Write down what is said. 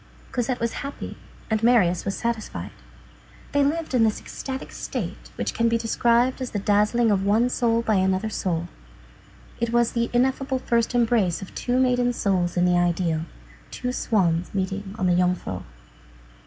Cosette was happy, and Marius was satisfied. They lived in this ecstatic state which can be described as the dazzling of one soul by another soul. It was the ineffable first embrace of two maiden souls in the ideal. Two swans meeting on the Jungfrau.